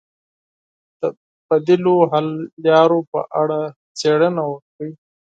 د بدیلو حل لارو په اړه څېړنه وکړئ.